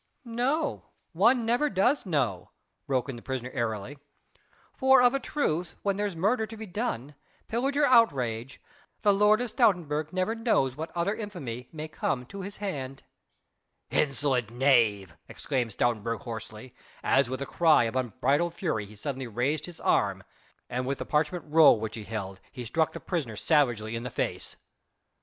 "No! one never does know," broke in the prisoner airily, "for of a truth when there's murder to be done, pillage or outrage, the Lord of Stoutenburg never knows what other infamy may come to his hand." "Insolent knave!" exclaimed Stoutenburg hoarsely, as with a cry of unbridled fury he suddenly raised his arm and with the parchment roll which he held, he struck the prisoner savagely in the face.